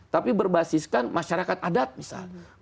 tapi berbasiskan masyarakat adat misalnya